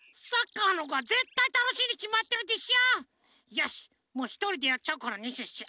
よしもうひとりでやっちゃうからねシュッシュ。